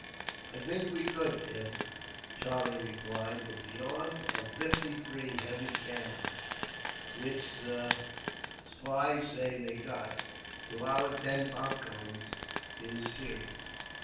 "I think we could, Tim," Charlie replied; "but the odds of fifty three heavy cannon, which the spies say they've got, to our ten popguns, is serious.